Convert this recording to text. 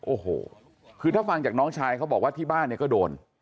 โอ้โหคือถ้าฟังจากน้องชายเขาบอกว่าที่บ้านเนี่ยก็โดน